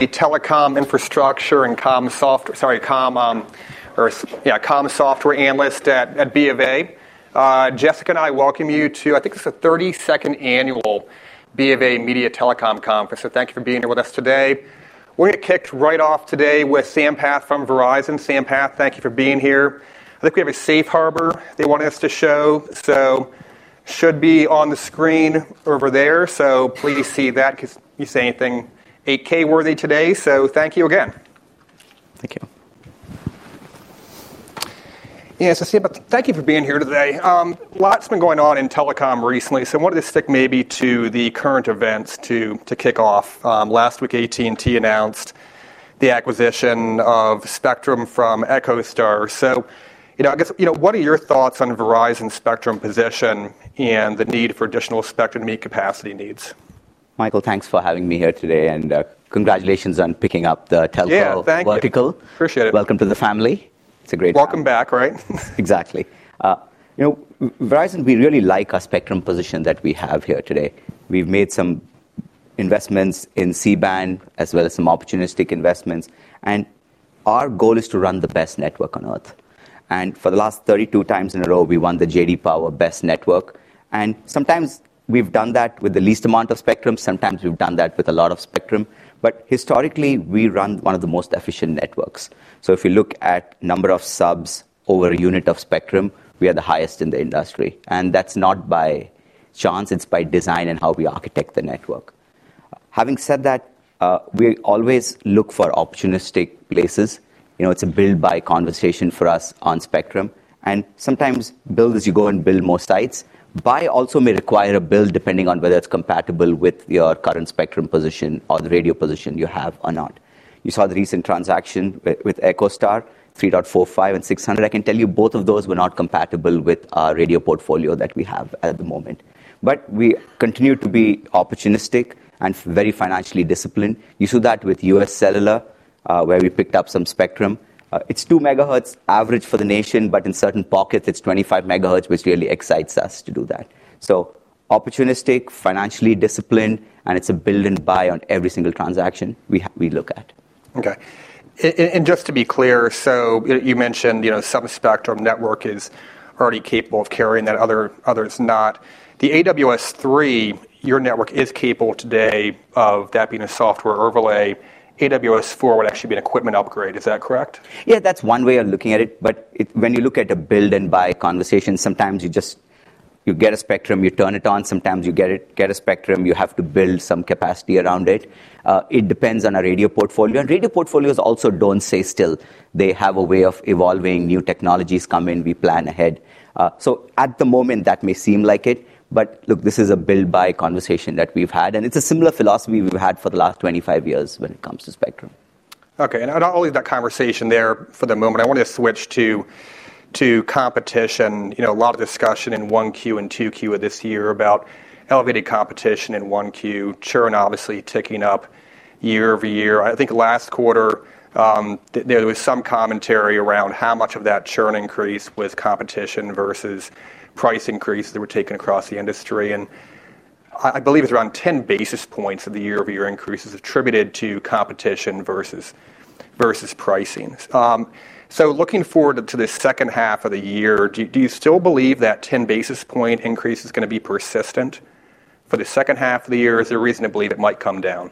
The Telecom Infrastructure and Communications Software Analyst at BofA. Jessica and I welcome you to, I think it's the 32nd Annual BofA Media Telecom Conference. Thank you for being here with us today. We're going to kick right off today with Sampath from Verizon. Sampath, thank you for being here. I think we have a safe harbor they want us to show, so it should be on the screen over there. Please see that because you say anything 8-K worthy today. Thank you again. Thank you. Yeah, Sampath, thank you for being here today. Lots been going on in telecom recently. I wanted to stick maybe to the current events to kick off. Last week AT&T announced the acquisition of spectrum from EchoStar. What are your thoughts on Verizon spectrum position and the need for additional spectrum to meet capacity needs? Michael, thanks for having me here today, and congratulations on picking up the telco vertical. Yeah, thank you. Appreciate it. Welcome to the family. It's a great day. Welcome back, right? Exactly. You know, Verizon, we really like our spectrum position that we have here today. We've made some investments in C-Band as well as some opportunistic investments. Our goal is to run the best network on Earth. For the last 32x in a row, we won the J.D. Power Best Network. Sometimes we've done that with the least amount of spectrum, sometimes we've done that with a lot of spectrum. Historically, we run one of the most efficient networks. If you look at the number of subs over a unit of spectrum, we are the highest in the industry. That's not by chance, it's by design and how we architect the network. Having said that, we always look for opportunistic places. It's a build-buy conversation for us on spectrum. Sometimes build as you go and build more sites. Buy also may require a build depending on whether it's compatible with your current spectrum position or the radio position you have or not. You saw the recent transaction with EchoStar, 3.45 and 600. I can tell you both of those were not compatible with our radio portfolio that we have at the moment. We continue to be opportunistic and very financially disciplined. You saw that with UScellular where we picked up some spectrum. It's 2 MHz average for the nation, but in certain pockets, it's 25 MHz, which really excites us to do that. Opportunistic, financially disciplined, and it's a build and buy on every single transaction we look at. Okay. Just to be clear, you mentioned some spectrum network is already capable of carrying that, others not. The AWS-3, your network is capable today of that being a software overlay. AWS-4 would actually be an equipment upgrade. Is that correct? Yeah, that's one way of looking at it. When you look at a build and buy conversation, sometimes you just get a spectrum, you turn it on. Sometimes you get a spectrum, you have to build some capacity around it. It depends on a radio portfolio, and radio portfolios also don't stay still. They have a way of evolving. New technologies come in. We plan ahead. At the moment, that may seem like it. This is a build-buy conversation that we've had, and it's a similar philosophy we've had for the last 25 years when it comes to spectrum. Okay. I'll leave that conversation there for the moment. I want to switch to competition. You know, a lot of discussion in 1Q and 2Q of this year about elevated competition in 1Q, churn obviously ticking up year-over-year. I think last quarter, there was some commentary around how much of that churn increase was competition versus price increase that were taken across the industry. I believe it's around 10 basis points of the year-over-year increase is attributed to competition versus pricing. Looking forward to the second half of the year, do you still believe that 10 basis point increase is going to be persistent for the second half of the year? Is there a reason to believe it might come down?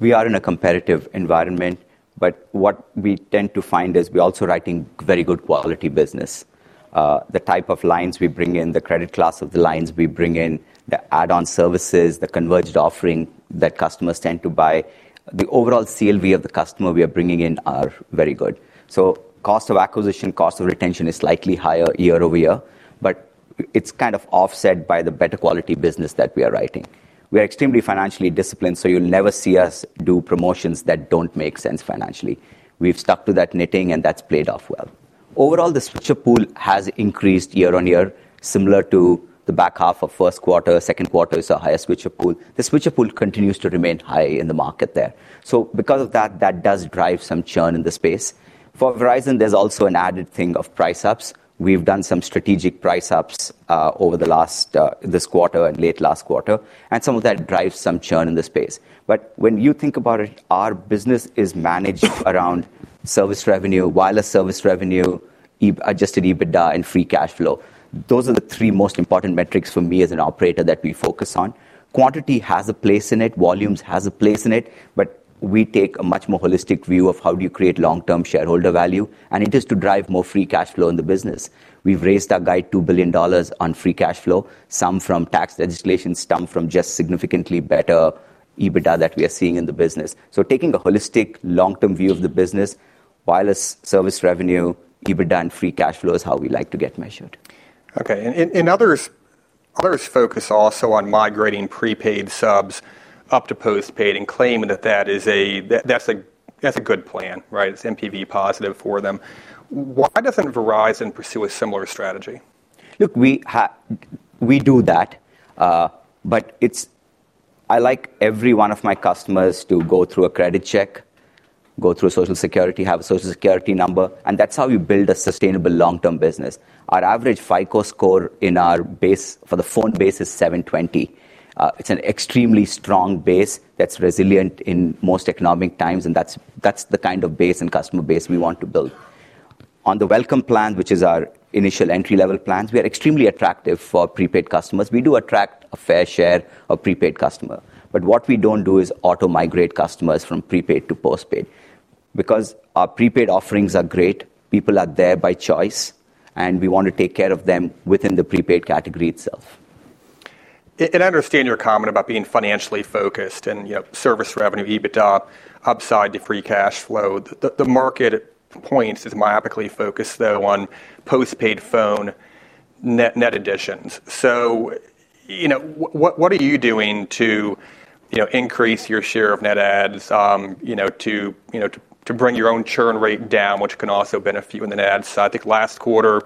We are in a competitive environment, but what we tend to find is we're also writing very good quality business. The type of lines we bring in, the credit class of the lines we bring in, the add-on services, the converged offering that customers tend to buy, the overall CLV of the customer we are bringing in are very good. Cost of acquisition, cost of retention is slightly higher year over year, but it's kind of offset by the better quality business that we are writing. We are extremely financially disciplined, so you'll never see us do promotions that don't make sense financially. We've stuck to that knitting, and that's played off well. Overall, the switcher pool has increased year on year, similar to the back half of first quarter. Second quarter is our highest switcher pool. The switcher pool continues to remain high in the market there. Because of that, that does drive some churn in the space. For Verizon, there's also an added thing of price ups. We've done some strategic price ups over this quarter and late last quarter, and some of that drives some churn in the space. When you think about it, our business is managed around service revenue, wireless service revenue, adjusted EBITDA, and free cash flow. Those are the three most important metrics for me as an operator that we focus on. Quantity has a place in it, volumes have a place in it, but we take a much more holistic view of how do you create long-term shareholder value, and it is to drive more free cash flow in the business. We've raised our guide $2 billion on free cash flow. Some from tax legislation, some from just significantly better EBITDA that we are seeing in the business. Taking a holistic long-term view of the business, wireless service revenue, EBITDA, and free cash flow is how we like to get measured. Okay. Others focus also on migrating prepaid subs up to postpaid and claim that that is a good plan, right? It's MPV positive for them. Why doesn't Verizon pursue a similar strategy? Look, we do that, but I like every one of my customers to go through a credit check, go through Social Security, have a Social Security number, and that's how you build a sustainable long-term business. Our average FICO score in our base for the phone base is 720. It's an extremely strong base that's resilient in most economic times, and that's the kind of base and customer base we want to build. On the welcome plan, which is our initial entry-level plans, we are extremely attractive for prepaid customers. We do attract a fair share of prepaid customers. What we don't do is auto-migrate customers from prepaid to postpaid, because our prepaid offerings are great, people are there by choice, and we want to take care of them within the prepaid category itself. I understand your comment about being financially focused and service revenue, EBITDA, upside to free cash flow. The market at points is myopically focused, though, on postpaid phone net additions. What are you doing to increase your share of net adds, to bring your own churn rate down, which can also benefit you in the net adds? I think last quarter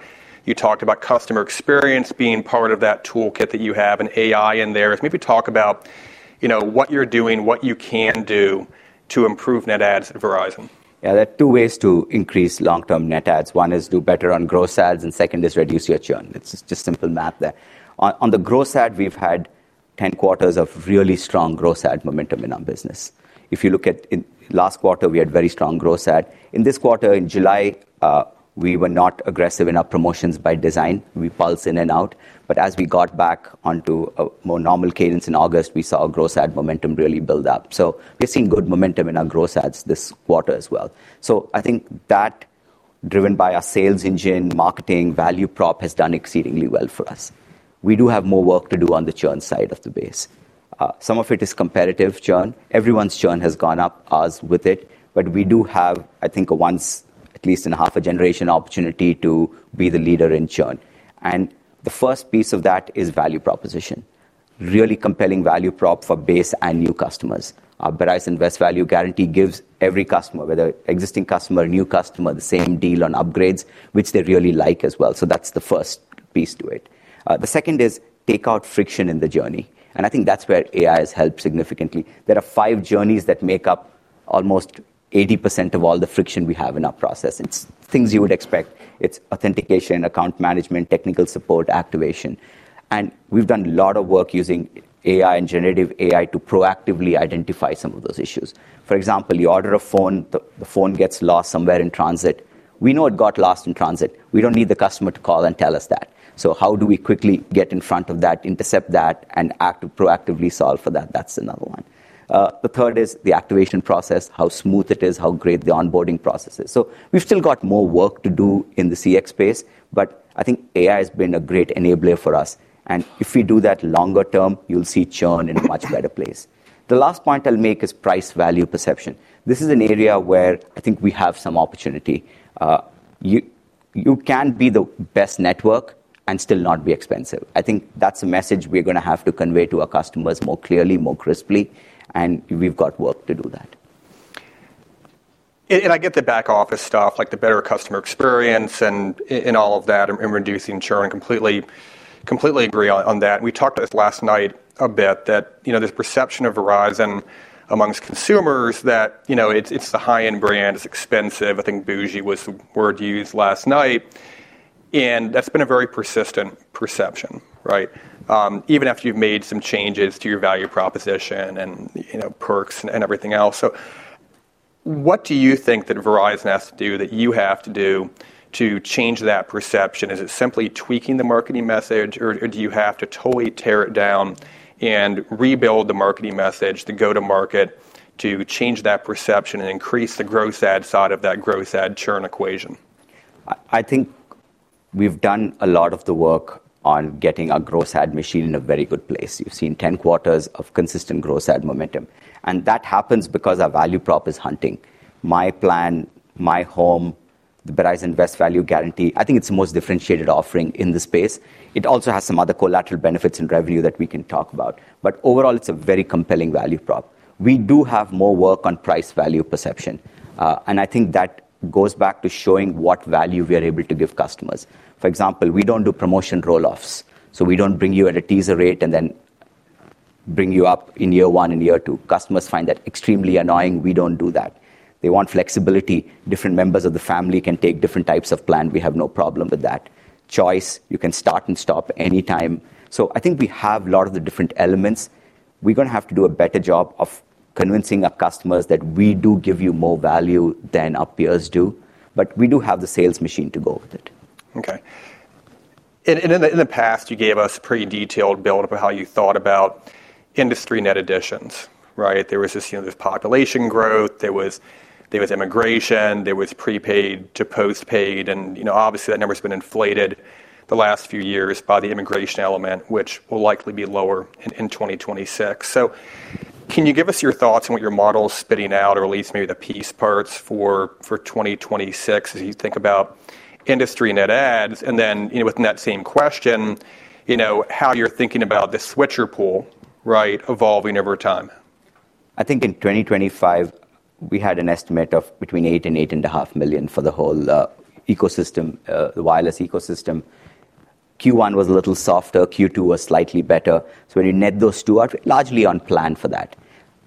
you talked about customer experience being part of that toolkit that you have and AI in there. Maybe talk about what you're doing, what you can do to improve net adds at Verizon. Yeah, there are two ways to increase long-term net adds. One is do better on gross adds, and second is reduce your churn. It's just a simple math there. On the gross add, we've had 10 quarters of really strong gross add momentum in our business. If you look at last quarter, we had very strong gross add. In this quarter, in July, we were not aggressive in our promotions by design. We pulse in and out. As we got back onto a more normal cadence in August, we saw gross add momentum really build up. We're seeing good momentum in our gross adds this quarter as well. I think that, driven by our sales engine, marketing, value prop has done exceedingly well for us. We do have more work to do on the churn side of the base. Some of it is competitive churn. Everyone's churn has gone up as with it. We do have, I think, a once, at least in half a generation, opportunity to be the leader in churn. The first piece of that is value proposition. Really compelling value prop for base and new customers. Verizon's value guarantee gives every customer, whether existing customer or new customer, the same deal on upgrades, which they really like as well. That's the first piece to it. The second is take out friction in the journey. I think that's where AI has helped significantly. There are five journeys that make up almost 80% of all the friction we have in our process. It's things you would expect. It's authentication, account management, technical support, activation. We've done a lot of work using AI and generative AI to proactively identify some of those issues. For example, you order a phone, the phone gets lost somewhere in transit. We know it got lost in transit. We don't need the customer to call and tell us that. How do we quickly get in front of that, intercept that, and proactively solve for that? That's another one. The third is the activation process, how smooth it is, how great the onboarding process is. We've still got more work to do in the CX space, but I think AI has been a great enabler for us. If we do that longer term, you'll see churn in a much better place. The last point I'll make is price value perception. This is an area where I think we have some opportunity. You can be the best network and still not be expensive. I think that's a message we're going to have to convey to our customers more clearly, more crisply. We've got work to do that. I get the back office stuff, like the better customer experience and all of that and reducing churn. I completely agree on that. We talked about this last night a bit, that there's a perception of Verizon amongst consumers that it's the high-end brand, it's expensive. I think bougie was the word used last night. That's been a very persistent perception, right? Even after you've made some changes to your value proposition and perks and everything else. What do you think that Verizon has to do, that you have to do, to change that perception? Is it simply tweaking the marketing message, or do you have to totally tear it down and rebuild the marketing message, the go-to-market, to change that perception and increase the gross ad side of that gross ad churn equation? I think we've done a lot of the work on getting our gross ad machine in a very good place. You've seen 10 quarters of consistent gross ad momentum. That happens because our value prop is hunting. My plan, my home, the Verizon invest value guarantee, I think it's the most differentiated offering in the space. It also has some other collateral benefits and revenue that we can talk about. Overall, it's a very compelling value prop. We do have more work on price value perception. I think that goes back to showing what value we are able to give customers. For example, we don't do promotion roll-offs. We don't bring you at a teaser rate and then bring you up in year one and year two. Customers find that extremely annoying. We don't do that. They want flexibility. Different members of the family can take different types of plan. We have no problem with that. Choice, you can start and stop anytime. I think we have a lot of the different elements. We're going to have to do a better job of convincing our customers that we do give you more value than our peers do. We do have the sales machine to go with it. Okay. In the past, you gave us a pretty detailed build of how you thought about industry net additions, right? There was population growth, there was immigration, there was prepaid to postpaid. Obviously, that number has been inflated the last few years by the immigration element, which will likely be lower in 2026. Can you give us your thoughts on what your model is spitting out, or at least maybe the piece parts for 2026 as you think about industry net adds? Within that same question, how you're thinking about the switcher pool, right, evolving over time? I think in 2025, we had an estimate of between 8 million and 8.5 million for the whole ecosystem, the wireless ecosystem. Q1 was a little softer, Q2 was slightly better. When you net those two out, largely on plan for that.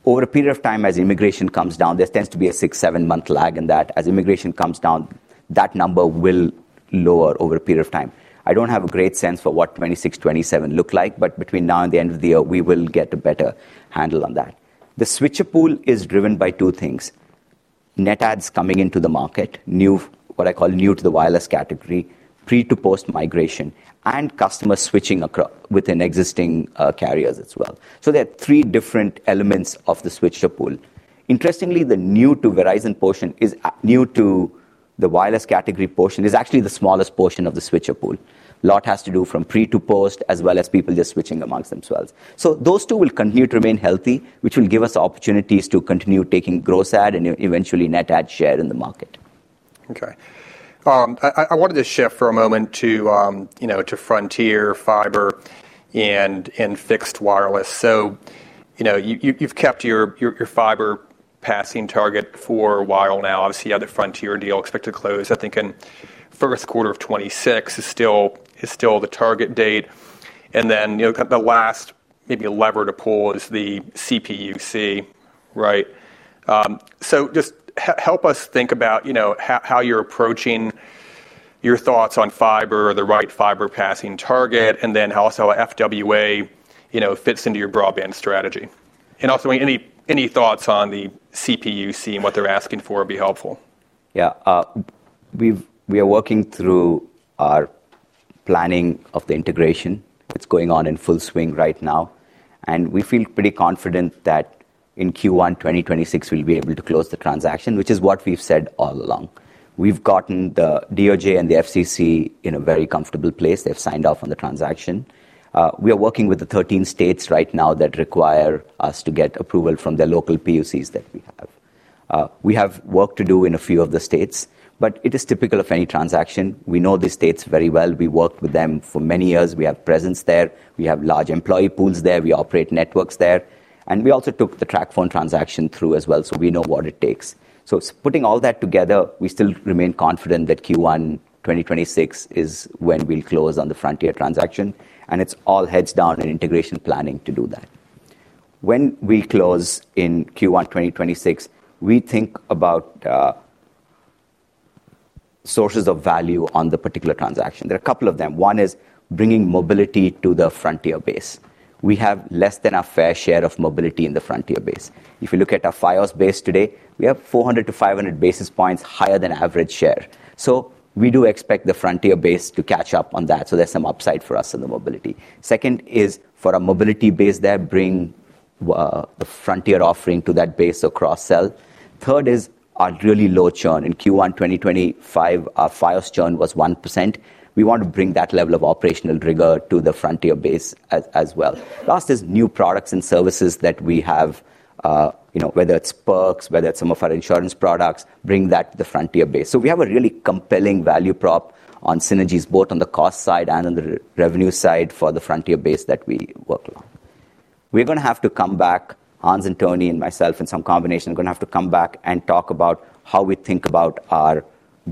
Over a period of time, as immigration comes down, there tends to be a six, seven-month lag in that. As immigration comes down, that number will lower over a period of time. I don't have a great sense for what 2026, 2027 look like, but between now and the end of the year, we will get a better handle on that. The switcher pool is driven by two things: net adds coming into the market, new, what I call new to the wireless category, pre-to-post migration, and customers switching within existing carriers as well. There are three different elements of the switcher pool. Interestingly, the new to Verizon portion is new to the wireless category portion. It's actually the smallest portion of the switcher pool. A lot has to do from pre-to-post as well as people just switching amongst themselves. Those two will continue to remain healthy, which will give us opportunities to continue taking gross ad and eventually net ad share in the market. Okay. I wanted to shift for a moment to, you know, to Frontier fiber and fixed wireless. You've kept your fiber passing target for a while now. Obviously, you have the Frontier deal expected to close, I think, in the first quarter of 2026 is still the target date. The last maybe lever to pull is the CPUC, right? Just help us think about how you're approaching your thoughts on fiber or the right fiber passing target, and then also how FWA fits into your broadband strategy. Also, any thoughts on the CPUC and what they're asking for would be helpful. Yeah, we are working through our planning of the integration, what's going on in full swing right now. We feel pretty confident that in Q1 2026, we'll be able to close the transaction, which is what we've said all along. We've gotten the DOJ and the FCC in a very comfortable place. They've signed off on the transaction. We are working with the 13 states right now that require us to get approval from their local PUCs. We have work to do in a few of the states, but it is typical of any transaction. We know these states very well. We worked with them for many years. We have presence there. We have large employee pools there. We operate networks there. We also took the TracFone transaction through as well, so we know what it takes. Putting all that together, we still remain confident that Q1 2026 is when we'll close on the Frontier transaction. It's all heads down in integration planning to do that. When we close in Q1 2026, we think about sources of value on the particular transaction. There are a couple of them. One is bringing mobility to the Frontier base. We have less than a fair share of mobility in the Frontier base. If you look at our Fios base today, we have 400-500 basis points higher than average share. We do expect the Frontier base to catch up on that. There's some upside for us in the mobility. Second is for our mobility base there, bring the Frontier offering to that base across cell. Third is our really low churn. In Q1 2025, our Fios churn was 1%. We want to bring that level of operational rigor to the Frontier base as well. Last is new products and services that we have, whether it's perks, whether it's some of our insurance products, bring that to the Frontier base. We have a really compelling value prop on synergies, both on the cost side and on the revenue side for the Frontier base that we work along. We're going to have to come back, Hans and Tony and myself and some combination are going to have to come back and talk about how we think about our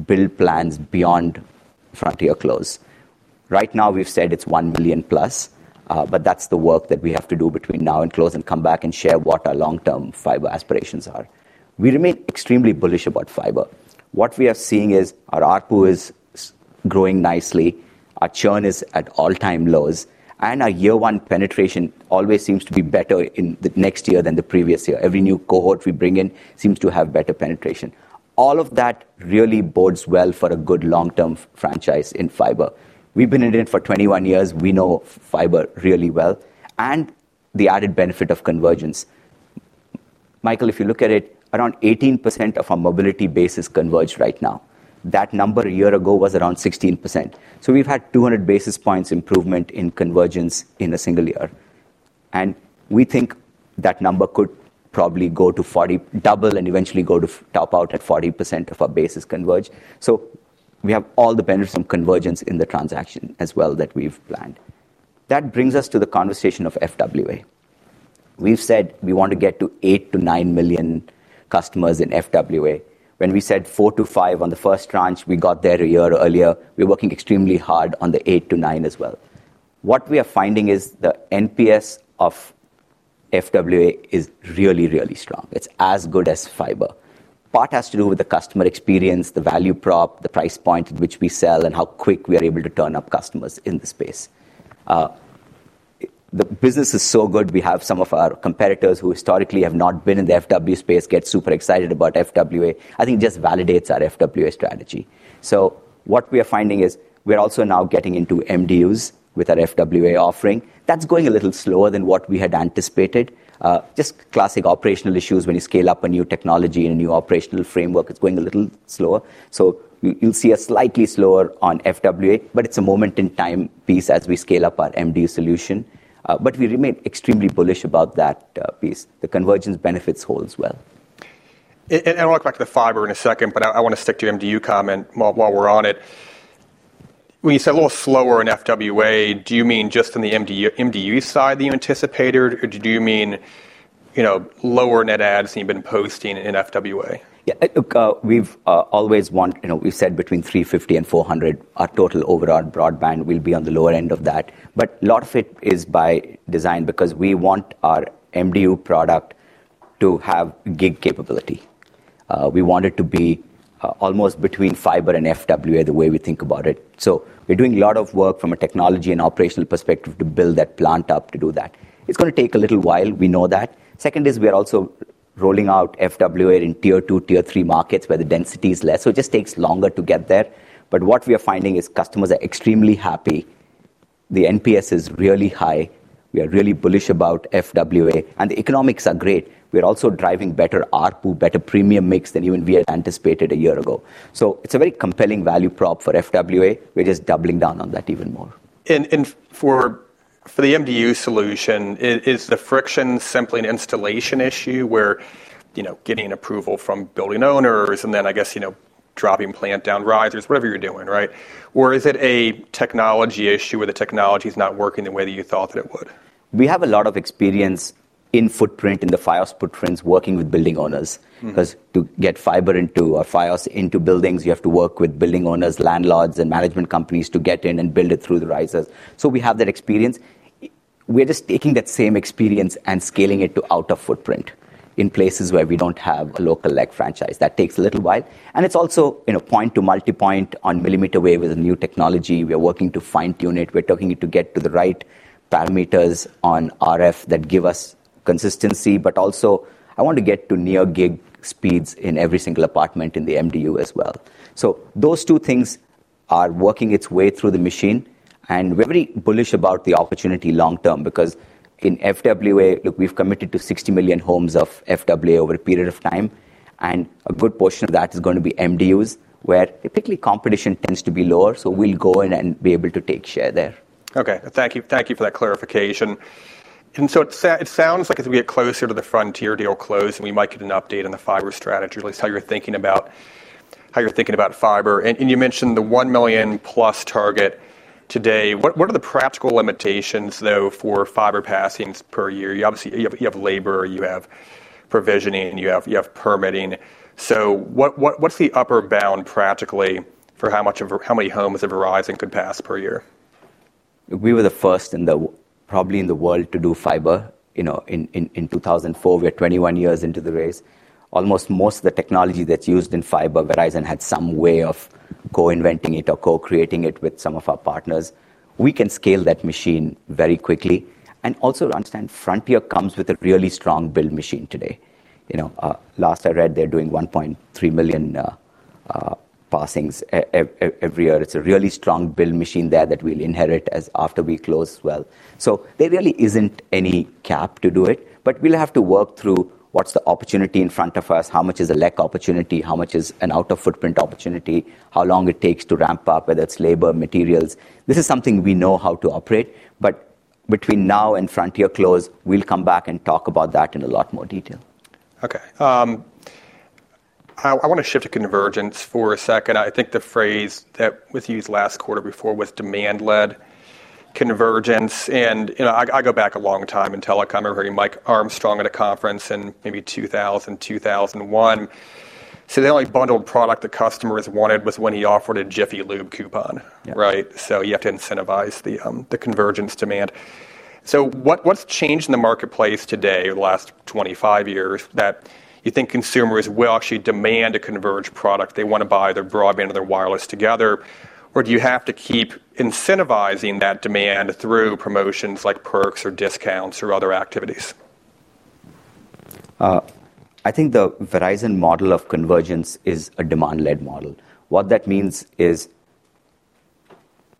build plans beyond Frontier close. Right now, we've said it's 1 million+, but that's the work that we have to do between now and close and come back and share what our long-term fiber aspirations are. We remain extremely bullish about fiber. What we are seeing is our ARPU is growing nicely. Our churn is at all-time lows, and our year-one penetration always seems to be better in the next year than the previous year. Every new cohort we bring in seems to have better penetration. All of that really bodes well for a good long-term franchise in fiber. We've been in it for 21 years. We know fiber really well and the added benefit of convergence. Michael, if you look at it, around 18% of our mobility bases converge right now. That number a year ago was around 16%. We've had 200 basis points improvement in convergence in a single year. We think that number could probably go to 40, double, and eventually go to top out at 40% of our bases converge. We have all the benefits of convergence in the transaction as well that we've planned. That brings us to the conversation of FWA. We've said we want to get to 8 million-9 million customers in FWA. When we said 4 million-5 million on the first tranche, we got there a year earlier. We're working extremely hard on the 8 million-9 million as well. What we are finding is the NPS of FWA is really, really strong. It's as good as fiber. Part has to do with the customer experience, the value prop, the price point at which we sell, and how quick we are able to turn up customers in the space. The business is so good. We have some of our competitors who historically have not been in the FWA space get super excited about FWA. I think it just validates our FWA strategy. What we are finding is we're also now getting into MDUs with our FWA offering. That's going a little slower than what we had anticipated. Just classic operational issues when you scale up a new technology in a new operational framework. It's going a little slower. You'll see us slightly slower on FWA, but it's a moment in time piece as we scale up our MDU solution. We remain extremely bullish about that piece. The convergence benefits hold as well. I want to come back to the fiber in a second, but I want to stick to your MDU comment while we're on it. When you say a little slower in FWA, do you mean just in the MDU side that you anticipated, or do you mean, you know, lower net adds than you've been posting in FWA? Yeah, look, we've always said between 350 and 400, our total overall broadband will be on the lower end of that. A lot of it is by design because we want our MDU product to have gig capability. We want it to be almost between fiber and FWA the way we think about it. We're doing a lot of work from a technology and operational perspective to build that plant up to do that. It's going to take a little while. We know that. We are also rolling out FWA in tier two, tier three markets where the density is less. It just takes longer to get there. What we are finding is customers are extremely happy. The NPS is really high. We are really bullish about FWA, and the economics are great. We're also driving better ARPU, better premium mix than even we had anticipated a year ago. It's a very compelling value prop for FWA. We're just doubling down on that even more. For the MDU solution, is the friction simply an installation issue where, you know, getting approval from building owners and then, I guess, you know, dropping plant down risers, whatever you're doing, right? Is it a technology issue where the technology is not working the way that you thought that it would? We have a lot of experience in the Fios footprints working with building owners because to get fiber into or Fios into buildings, you have to work with building owners, landlords, and management companies to get in and build it through the risers. We have that experience. We're just taking that same experience and scaling it to out of footprint in places where we don't have a local leg franchise. That takes a little while. It's also, you know, point to multi-point on millimeter wave with a new technology. We're working to fine-tune it. We're trying to get to the right parameters on RF that give us consistency, but also I want to get to near gig speeds in every single apartment in the MDU as well. Those two things are working their way through the machine, and we're very bullish about the opportunity long term because in FWA, look, we've committed to 60 million homes of FWA over a period of time, and a good portion of that is going to be MDUs where typically competition tends to be lower. We'll go in and be able to take share there. Okay. Thank you. Thank you for that clarification. It sounds like as we get closer to the Frontier deal close, we might get an update on the fiber strategy, at least how you're thinking about fiber. You mentioned the 1 million+ target today. What are the practical limitations, though, for fiber passing per year? You obviously have labor, you have provisioning, you have permitting. What's the upper bound practically for how many homes Verizon could pass per year? We were the first probably in the world to do fiber. You know, in 2004, we're 21 years into the race. Almost most of the technology that's used in fiber, Verizon had some way of co-inventing it or co-creating it with some of our partners. We can scale that machine very quickly and also run. Frontier comes with a really strong build machine today. You know, last I read, they're doing 1.3 million passings every year. It's a really strong build machine there that we'll inherit after we close. There really isn't any cap to do it, but we'll have to work through what's the opportunity in front of us, how much is a leg opportunity, how much is an out-of-footprint opportunity, how long it takes to ramp up, whether it's labor or materials. This is something we know how to operate. Between now and Frontier close, we'll come back and talk about that in a lot more detail. Okay. I want to shift to convergence for a second. I think the phrase that was used last quarter before was demand-led convergence. I go back a long time in telecom, I've heard Mike Armstrong at a conference in maybe 2000, 2001. The only bundled product the customers wanted was when he offered a Jiffy Lube coupon, right? You have to incentivize the convergence demand. What's changed in the marketplace today over the last 25 years that you think consumers will actually demand a converged product? They want to buy their broadband or their wireless together, or do you have to keep incentivizing that demand through promotions like perks or discounts or other activities? I think the Verizon model of convergence is a demand-led model. What that means is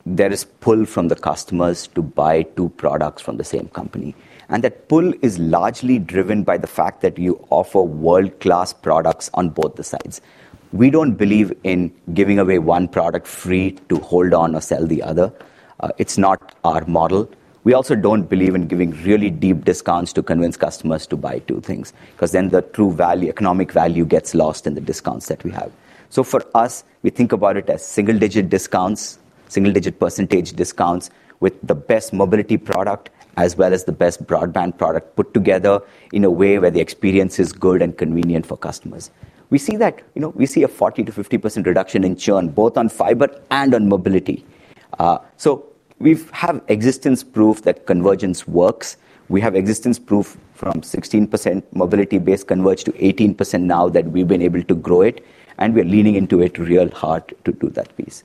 there is pull from the customers to buy two products from the same company. That pull is largely driven by the fact that you offer world-class products on both sides. We don't believe in giving away one product free to hold on or sell the other. It's not our model. We also don't believe in giving really deep discounts to convince customers to buy two things because then the true economic value gets lost in the discounts that we have. For us, we think about it as single-digit discounts, single-digit percentage discounts with the best mobility product as well as the best broadband product put together in a way where the experience is good and convenient for customers. We see a 40%-50% reduction in churn, both on fiber and on mobility. We have existence proof that convergence works. We have existence proof from 16% mobility-based converge to 18% now that we've been able to grow it. We're leaning into it real hard to do that piece.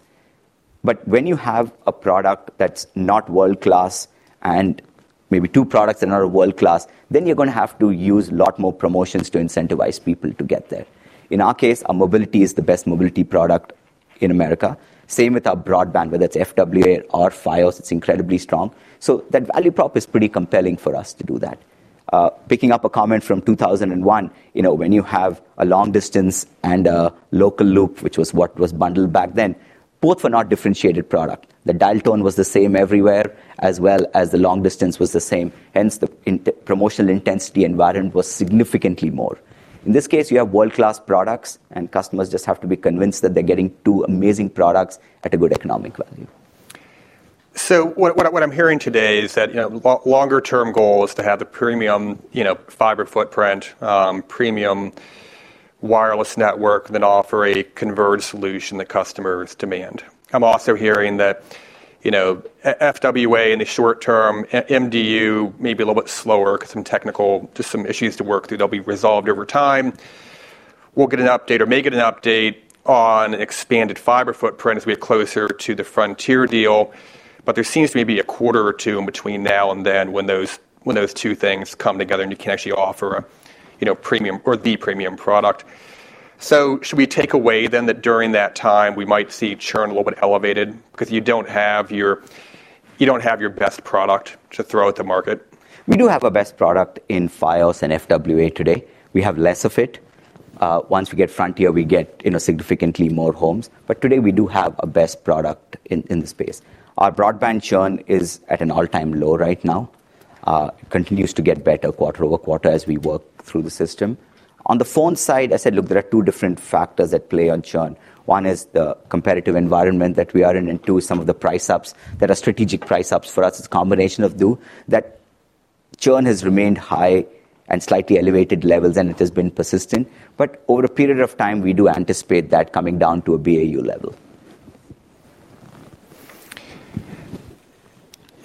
When you have a product that's not world-class and maybe two products that are not world-class, you're going to have to use a lot more promotions to incentivize people to get there. In our case, our mobility is the best mobility product in America. Same with our broadband, whether it's FWA or Fios, it's incredibly strong. That value prop is pretty compelling for us to do that. Picking up a comment from 2001, when you have a long distance and a local loop, which was what was bundled back then, both were not differentiated products. The dial tone was the same everywhere as well as the long distance was the same. The promotional intensity environment was significantly more. In this case, you have world-class products and customers just have to be convinced that they're getting two amazing products at a good economic value. What I'm hearing today is that the longer-term goal is to have the premium fiber footprint, premium wireless network, then offer a converged solution that customers demand. I'm also hearing that FWA in the short term, MDU may be a little bit slower because of some technical, just some issues to work through, they'll be resolved over time. We'll get an update or may get an update on an expanded fiber footprint as we get closer to the Frontier Communications deal. There seems to be maybe a quarter or two in between now and then when those two things come together and you can actually offer a premium or the premium product. Should we take away then that during that time we might see churn a little bit elevated because you don't have your best product to throw at the market? We do have a best product in Fios and FWA today. We have less of it. Once we get Frontier, we get, you know, significantly more homes. Today we do have a best product in the space. Our broadband churn is at an all-time low right now. It continues to get better quarter over quarter as we work through the system. On the phone side, I said, look, there are two different factors that play on churn. One is the competitive environment that we are in, and two, some of the price ups that are strategic price ups for us. It's a combination of those that churn has remained high at slightly elevated levels, and it has been persistent. Over a period of time, we do anticipate that coming down to a BAU level.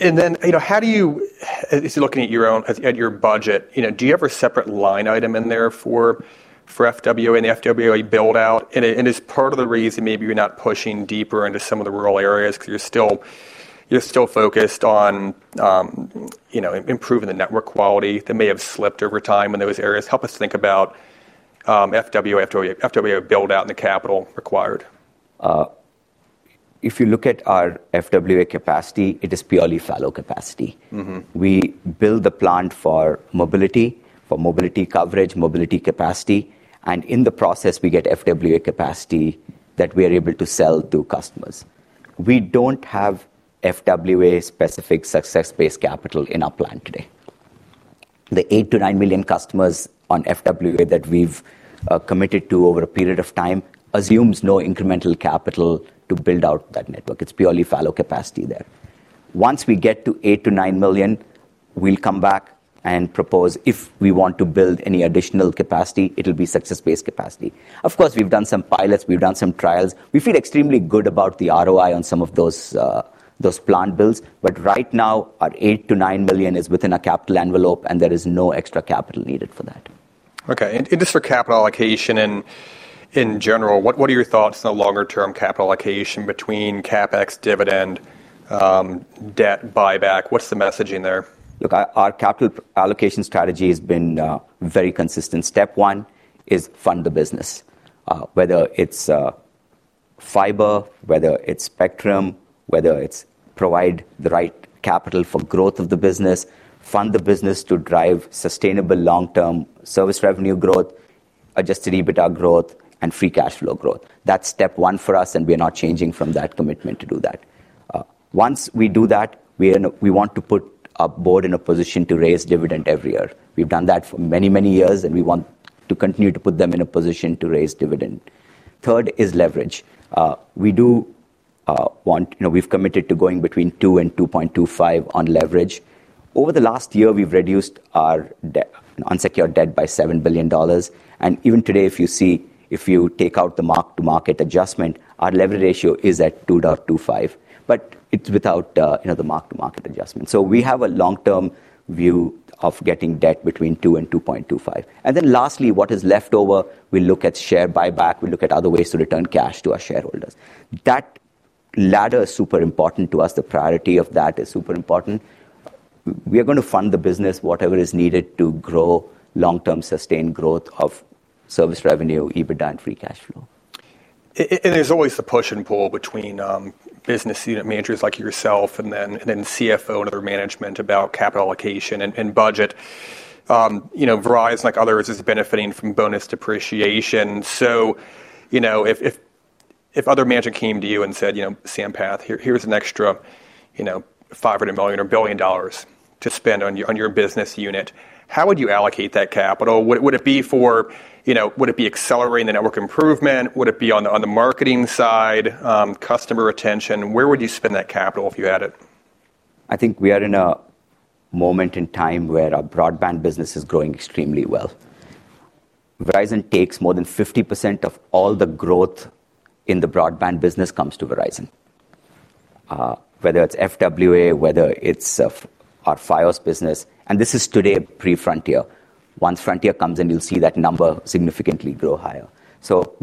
As you're looking at your own and your budget, do you have a separate line item in there for FWA and the FWA build out? Is part of the reason maybe you're not pushing deeper into some of the rural areas because you're still focused on improving the network quality that may have slipped over time in those areas? Help us think about FWA, FWA build out, and the capital required. If you look at our FWA capacity, it is purely fallow capacity. We build the plant for mobility, for mobility coverage, mobility capacity. In the process, we get FWA capacity that we are able to sell to customers. We don't have FWA-specific success-based capital in our plant today. The 8 million-9 million customers on FWA that we've committed to over a period of time assumes no incremental capital to build out that network. It's purely fallow capacity there. Once we get to 8 million-9 million, we'll come back and propose if we want to build any additional capacity, it'll be success-based capacity. Of course, we've done some pilots, we've done some trials. We feel extremely good about the ROI on some of those plant builds. Right now, our 8 million-9 million is within a capital envelope, and there is no extra capital needed for that. Okay. Just for capital allocation in general, what are your thoughts on the longer-term capital allocation between CapEx, dividend, debt, buyback? What's the messaging there? Look, our capital allocation strategy has been very consistent. Step one is fund the business. Whether it's fiber, whether it's spectrum, whether it's providing the right capital for growth of the business, fund the business to drive sustainable long-term service revenue growth, adjusted EBITDA growth, and free cash flow growth. That's step one for us, and we are not changing from that commitment to do that. Once we do that, we want to put a board in a position to raise dividend every year. We've done that for many, many years, and we want to continue to put them in a position to raise dividend. Third is leverage. We've committed to going between 2 and 2.25 on leverage. Over the last year, we've reduced our debt, unsecured debt, by $7 billion. Even today, if you see, if you take out the mark-to-market adjustment, our leverage ratio is at 2.25. It's without the mark-to-market adjustment. We have a long-term view of getting debt between 2 and 2.25. Lastly, what is left over, we look at share buyback. We look at other ways to return cash to our shareholders. That ladder is super important to us. The priority of that is super important. We are going to fund the business, whatever is needed to grow long-term sustained growth of service revenue, EBITDA, and free cash flow. There's always the push and pull between business unit managers like yourself and then CFO and other management about capital allocation and budget. Verizon, like others, is benefiting from bonus depreciation. If other management came to you and said, you know, Sampath, here's an extra $500 million or billion dollars to spend on your business unit, how would you allocate that capital? Would it be accelerating the network improvement? Would it be on the marketing side, customer retention? Where would you spend that capital if you had it? I think we are in a moment in time where our broadband business is growing extremely well. Verizon takes more than 50% of all the growth in the broadband business comes to Verizon. Whether it's FWA, whether it's our Fios business, and this is today pre-Frontier. Once Frontier comes in, you'll see that number significantly grow higher.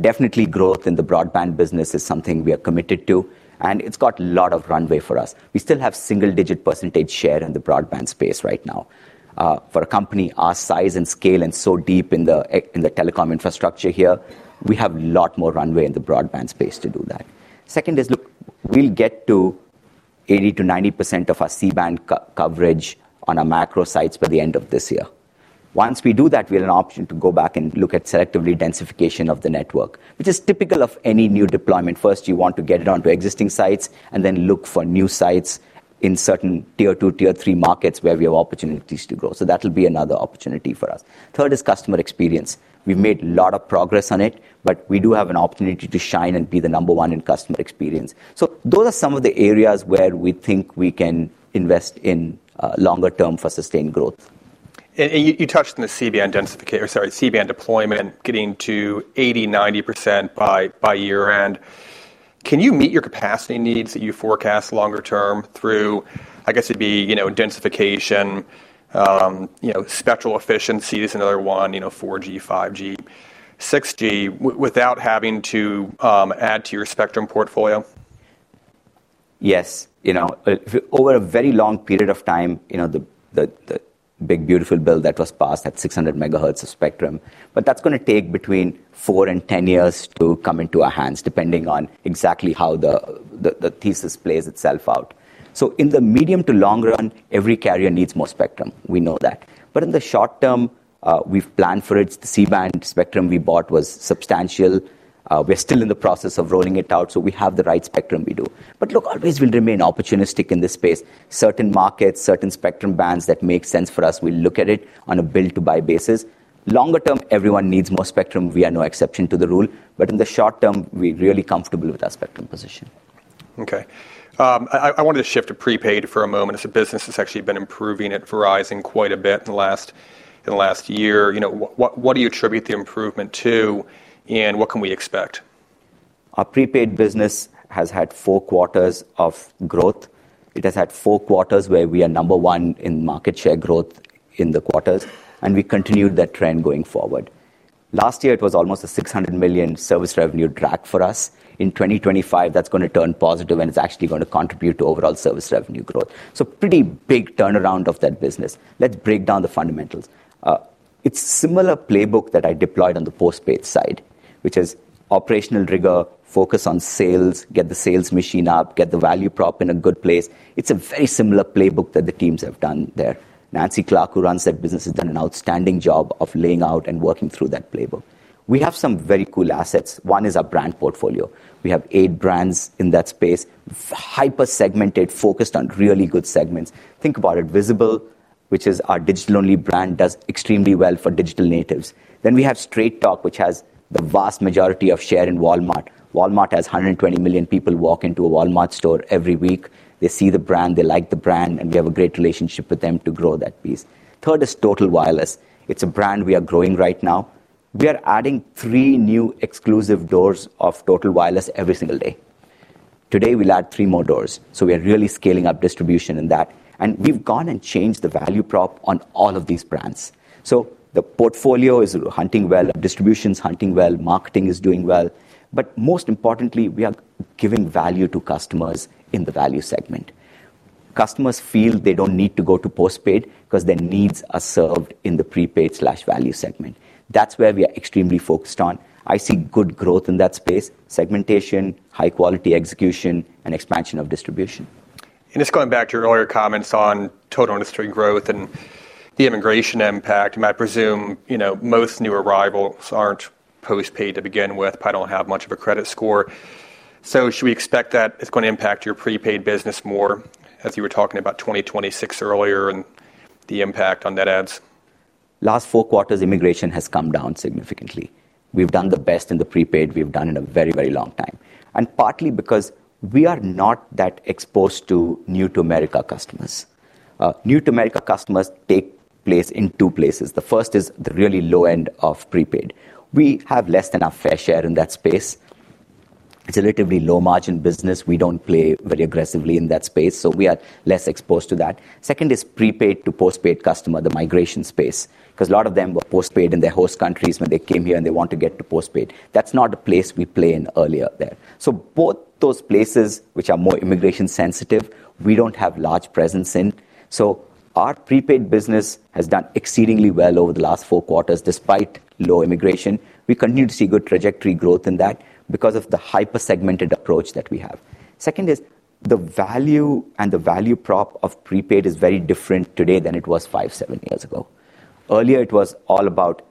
Definitely, growth in the broadband business is something we are committed to, and it's got a lot of runway for us. We still have single-digit % share in the broadband space right now. For a company our size and scale and so deep in the telecom infrastructure here, we have a lot more runway in the broadband space to do that. Second is, look, we'll get to 80%-90% of our C-Band coverage on our macro sites by the end of this year. Once we do that, we have an option to go back and look at selectively densification of the network, which is typical of any new deployment. First, you want to get it onto existing sites and then look for new sites in certain tier two, tier three markets where we have opportunities to grow. That'll be another opportunity for us. Third is customer experience. We've made a lot of progress on it, but we do have an opportunity to shine and be the number one in customer experience. Those are some of the areas where we think we can invest in longer term for sustained growth. You touched on the C-Band deployment getting to 80%, 90% by year end. Can you meet your capacity needs that you forecast longer term through densification, spectral efficiency is another one, 4G, 5G, 6G, without having to add to your spectrum portfolio? Yes, you know, over a very long period of time, the big beautiful bill that was passed at 600 MHz of spectrum, but that's going to take between four and 10 years to come into our hands, depending on exactly how the thesis plays itself out. In the medium to long run, every carrier needs more spectrum. We know that. In the short term, we've planned for it. The C-Band spectrum we bought was substantial. We're still in the process of rolling it out, so we have the right spectrum, we do. Look, always we remain opportunistic in this space. Certain markets, certain spectrum bands that make sense for us, we look at it on a build-to-buy basis. Longer term, everyone needs more spectrum. We are no exception to the rule. In the short term, we're really comfortable with our spectrum position. Okay. I wanted to shift to prepaid for a moment. It's a business that's actually been improving at Verizon quite a bit in the last year. You know, what do you attribute the improvement to, and what can we expect? Our prepaid business has had four quarters of growth. It has had four quarters where we are number one in market share growth in the quarters, and we continued that trend going forward. Last year, it was almost a $600 million service revenue drag for us. In 2025, that's going to turn positive and is actually going to contribute to overall service revenue growth. Pretty big turnaround of that business. Let's break down the fundamentals. It's a similar playbook that I deployed on the postpaid side, which is operational rigor, focus on sales, get the sales machine up, get the value prop in a good place. It's a very similar playbook that the teams have done there. Nancy Clark, who runs that business, has done an outstanding job of laying out and working through that playbook. We have some very cool assets. One is our brand portfolio. We have eight brands in that space, hyper-segmented, focused on really good segments. Think about it. Visible, which is our digital-only brand, does extremely well for digital natives. We have Straight Talk, which has the vast majority of share in Walmart. Walmart has 120 million people walk into a Walmart store every week. They see the brand, they like the brand, and we have a great relationship with them to grow that piece. Third is Total Wireless. It's a brand we are growing right now. We are adding three new exclusive doors of Total Wireless every single day. Today, we'll add three more doors. We are really scaling up distribution in that. We've gone and changed the value prop on all of these brands. The portfolio is hunting well, distribution is hunting well, marketing is doing well. Most importantly, we are giving value to customers in the value segment. Customers feel they don't need to go to postpaid because their needs are served in the prepaid/value segment. That's where we are extremely focused on. I see good growth in that space, segmentation, high-quality execution, and expansion of distribution. Going back to your earlier comments on total industry growth and the immigration impact, I presume most new arrivals aren't postpaid to begin with, probably don't have much of a credit score. Should we expect that it's going to impact your prepaid business more as you were talking about 2026 earlier and the impact on net adds? Last four quarters, immigration has come down significantly. We've done the best in the prepaid we've done in a very, very long time, partly because we are not that exposed to new to America customers. New to America customers take place in two places. The first is the really low end of prepaid. We have less than our fair share in that space. It's a relatively low margin business. We don't play very aggressively in that space, so we are less exposed to that. Second is prepaid to postpaid customer, the migration space, because a lot of them were postpaid in their host countries when they came here and they want to get to postpaid. That's not a place we play in earlier there. Both those places, which are more immigration sensitive, we don't have large presence in. Our prepaid business has done exceedingly well over the last four quarters despite low immigration. We continue to see good trajectory growth in that because of the hyper-segmented approach that we have. Second is the value and the value prop of prepaid is very different today than it was five, seven years ago. Earlier, it was all about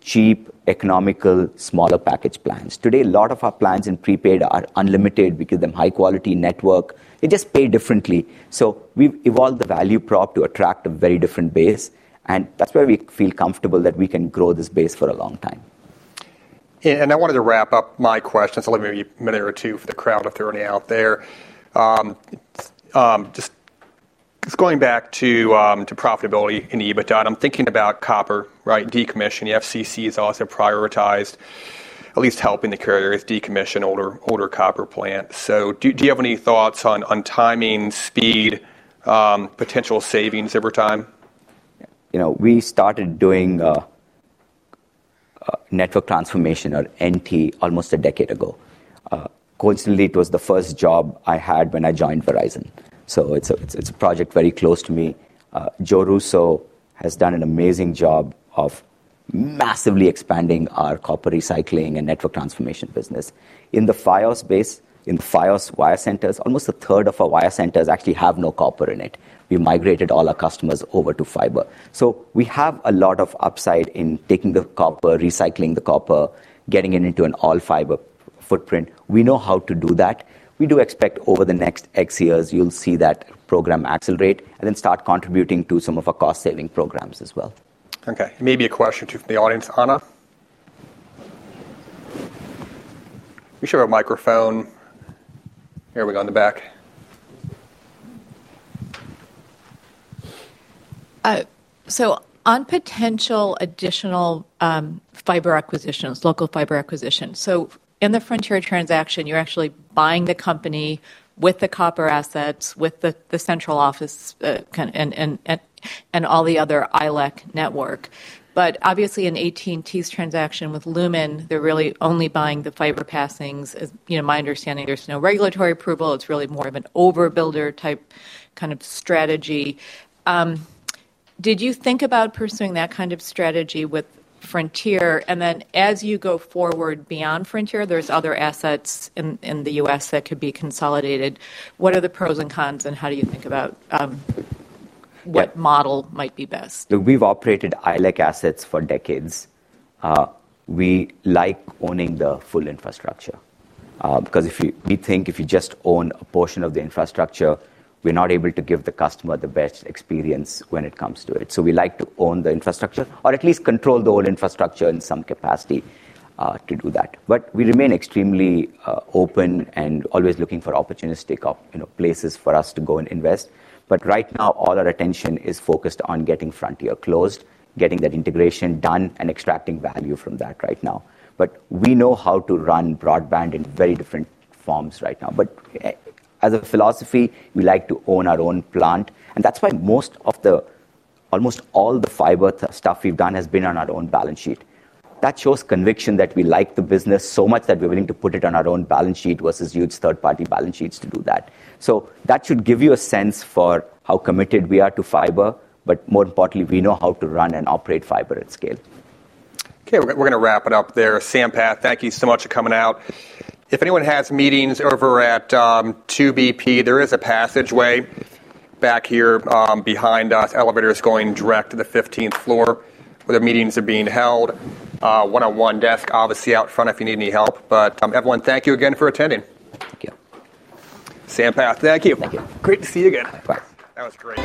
cheap, economical, smaller package plans. Today, a lot of our plans in prepaid are unlimited. We give them high-quality network. It just paid differently. We've evolved the value prop to attract a very different base, and that's where we feel comfortable that we can grow this base for a long time. I wanted to wrap up my questions. I'll leave maybe a minute or two for the crowd if they're already out there. Just going back to profitability in EBITDA, I'm thinking about copper, right? Decommission, the FCC has also prioritized at least helping the carriers decommission older copper plants. Do you have any thoughts on timing, speed, potential savings over time? You know, we started doing network transformation or NT almost a decade ago. Coincidentally, it was the first job I had when I joined Verizon. It's a project very close to me. Joe Russo has done an amazing job of massively expanding our copper recycling and network transformation business. In the Fios space, in the Fios wire centers, almost a third of our wire centers actually have no copper in it. We migrated all our customers over to fiber. We have a lot of upside in taking the copper, recycling the copper, getting it into an all-fiber footprint. We know how to do that. We do expect over the next X years, you'll see that program accelerate and then start contributing to some of our cost-saving programs as well. Okay. Maybe a question to the audience, Ana. You should have a microphone. Here we go in the back. On potential additional fiber acquisitions, local fiber acquisitions, in the Frontier transaction, you're actually buying the company with the copper assets, with the central office and all the other ILEC network. In AT&T's transaction with Lumen, they're really only buying the fiber passings. My understanding is there's no regulatory approval, it's really more of an overbuilder type kind of strategy. Did you think about pursuing that kind of strategy with Frontier? As you go forward beyond Frontier, there are other assets in the U.S. that could be consolidated. What are the pros and cons and how do you think about what model might be best? We've operated ILEC assets for decades. We like owning the full infrastructure because we think if you just own a portion of the infrastructure, we're not able to give the customer the best experience when it comes to it. We like to own the infrastructure or at least control the whole infrastructure in some capacity to do that. We remain extremely open and always looking for opportunistic places for us to go and invest. Right now, all our attention is focused on getting Frontier closed, getting that integration done, and extracting value from that right now. We know how to run broadband in very different forms right now. As a philosophy, we like to own our own plant. That's why most of the, almost all the fiber stuff we've done has been on our own balance sheet. That shows conviction that we like the business so much that we're willing to put it on our own balance sheet versus use third-party balance sheets to do that. That should give you a sense for how committed we are to fiber. More importantly, we know how to run and operate fiber at scale. Okay, we're going to wrap it up there. Sampath, thank you so much for coming out. If anyone has meetings over at 2BP, there is a passageway back here behind us. Elevator is going direct to the 15th floor where the meetings are being held. One-on-one desk, obviously out front if you need any help. Everyone, thank you again for attending. Thank you. Sampath, thank you. Thank you. Great to see you again. Likewise. That was great.